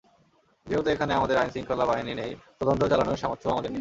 যেহেতু এখানে আমাদের আইনশৃঙ্খলা বাহিনী নেই, তদন্ত চালানোর সামর্থ্যও আমাদের নেই।